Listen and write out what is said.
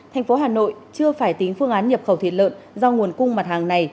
thành phố hà nội chưa phải tính phương án nhập khẩu thịt lợn do nguồn cung mặt hàng này